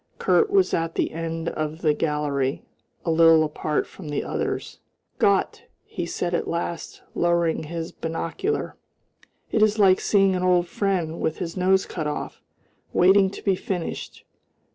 Kurt was at the end of the gallery, a little apart from the others. "Gott!" he said at last, lowering his binocular, "it is like seeing an old friend with his nose cut off waiting to be finished.